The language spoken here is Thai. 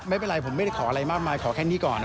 ไม่เป็นไรผมไม่ได้ขออะไรมากมายขอแค่นี้ก่อนนะ